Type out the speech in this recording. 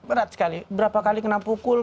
berat sekali berapa kali kena pukul